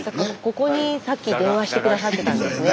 ここにさっき電話して下さってたんですね。